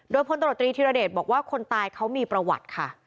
โดยพลตรวจตรีธิรเดชบอกว่าคนตายเขามีประวัติค่ะ